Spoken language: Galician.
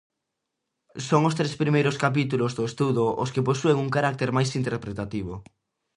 Son os tres primeiros capítulos do estudo os que posúen un carácter máis interpretativo.